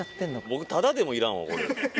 僕タダでもいらんわこれ。